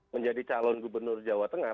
menjadi calon gubernur jawa tengah